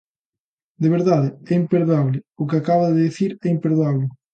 De verdade, é imperdoable o que acaba de dicir, é imperdoable.